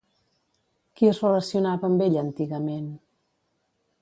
Qui es relacionava amb ella antigament?